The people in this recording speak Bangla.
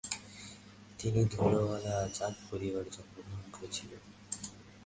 তিনি ধালিওয়াল জাত পরিবারে জন্মগ্রহণ করেছিলেন।